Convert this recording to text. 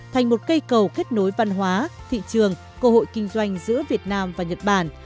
thành một cây cầu kết nối văn hóa thị trường cơ hội kinh doanh giữa việt nam và nhật bản